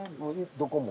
どこも？